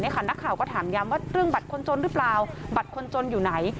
นักข่าวก็ถามย้ำว่าเรื่องบัตรคนจนหรือเปล่าบัตรคนจนอยู่ไหน